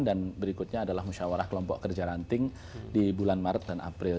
dan berikutnya adalah musyawarah kelompok kerja ranting di bulan maret dan april